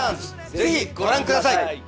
ぜひご覧ください。